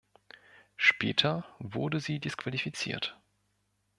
Später wurde sie disqualifiziert.